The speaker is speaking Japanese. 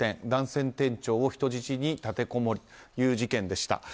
男性店長を人質に立てこもるという事件でした。